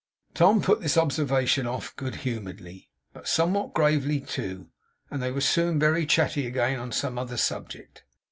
Tom put this observation off good humouredly, but somewhat gravely too; and they were soon very chatty again on some other subject.